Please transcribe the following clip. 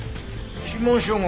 指紋照合